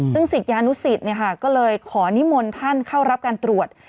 ซึ่งศิษยานุสิตก็เลยขอนิมนต์ท่านเข้ารับการตรวจ